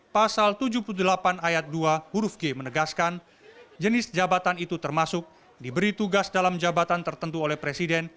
pasal tujuh puluh delapan ayat dua huruf g menegaskan jenis jabatan itu termasuk diberi tugas dalam jabatan tertentu oleh presiden